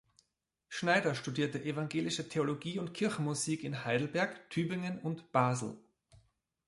Schneider studierte evangelische Theologie und Kirchenmusik in Heidelberg, Tübingen und Basel.